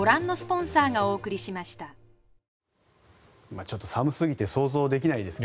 ちょっと寒すぎて想像できないですが。